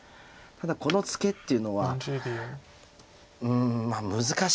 ただこのツケっていうのはうん難しい手です